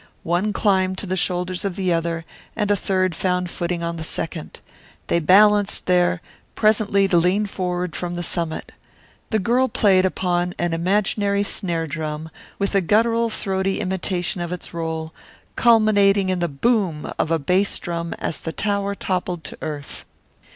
One climbed to the shoulders of the other and a third found footing on the second. They balanced there, presently to lean forward from the summit. The girl played upon an imaginary snare drum with a guttural, throaty imitation of its roll, culminating in the "boom!" of a bass drum as the tower toppled to earth.